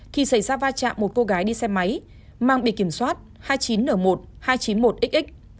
thì xảy ra va chạm một cô gái đi xe máy mang bị kiểm soát hai mươi chín n một hai trăm chín mươi một xx